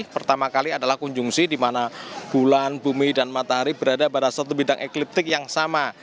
pertama kali adalah kunjungsi di mana bulan bumi dan matahari berada pada satu bidang ekliptik yang sama